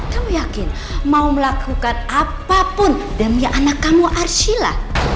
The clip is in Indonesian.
kamu yakin mau melakukan apapun demi anak kamu arshila